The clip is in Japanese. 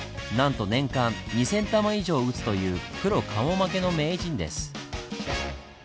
なんと年間２０００玉以上打つというプロ顔負けの名人です。